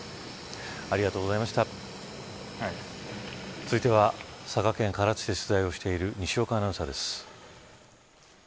続いては佐賀県唐津市で取材している西岡アナウンサーです。